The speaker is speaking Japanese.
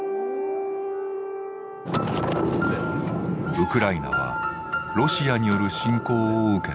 ウクライナはロシアによる侵攻を受けた。